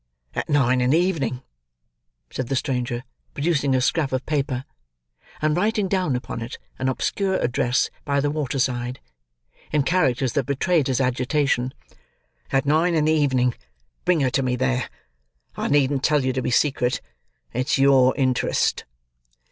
"At nine in the evening," said the stranger, producing a scrap of paper, and writing down upon it, an obscure address by the water side, in characters that betrayed his agitation; "at nine in the evening, bring her to me there. I needn't tell you to be secret. It's your interest."